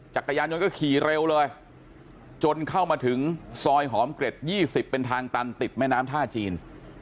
จักรยานยนต์ก็ขี่เร็วเลยจนเข้ามาถึงซอยหอมเกร็ด๒๐เป็นทางตันติดแม่น้ำท่าจีน